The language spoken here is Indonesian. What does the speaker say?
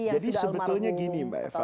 jadi sebetulnya gini mbak eva